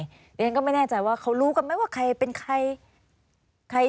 เรียนก็ไม่แน่ใจว่าเขารู้กันไหมว่าใครเป็นใคร